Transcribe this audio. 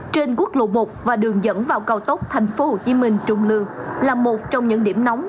trên quốc lộ một và đường dẫn vào cao tốc tp hcm trung lương là một trong những điểm nóng